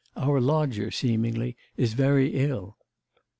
'Our lodger, seemingly, is very ill.